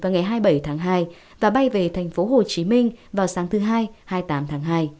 ngày hai mươi bảy tháng hai và bay về thành phố hồ chí minh vào sáng thứ hai hai mươi tám tháng hai